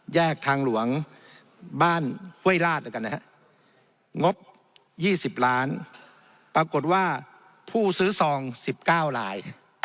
แยกทางหลวงบ้านเว้ยราชงบ๒๐ล้านปรากฏว่าผู้ซื้อสอง๑๙ลาย